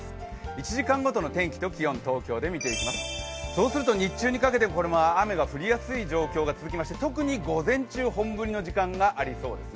１時間ごとの天気と気温、東京で見ていきます、日中にかけて雨が降りやすい状況が続きまして特に午前中、本降りの時間がありそうです。